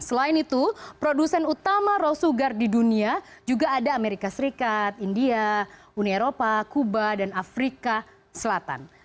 selain itu produsen utama raw sugar di dunia juga ada amerika serikat india uni eropa kuba dan afrika selatan